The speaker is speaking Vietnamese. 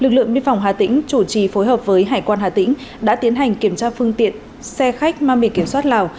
lực lượng biên phòng hà tĩnh chủ trì phối hợp với hải quan hà tĩnh đã tiến hành kiểm tra phương tiện xe khách ma mị kiểm soát lào